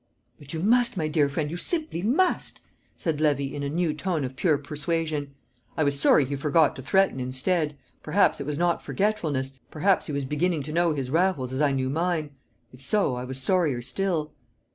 "But you must, my dear friend, you simply must!" said Levy, in a new tone of pure persuasion. I was sorry he forgot to threaten instead. Perhaps it was not forgetfulness; perhaps he was beginning to know his Raffles as I knew mine; if so, I was sorrier still.